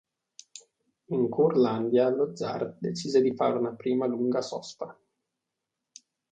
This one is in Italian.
In Curlandia lo zar decise di fare una prima lunga sosta.